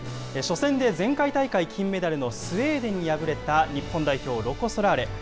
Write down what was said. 初戦で前回大会、金メダルのスウェーデンに敗れた日本代表、ロコ・ソラーレ。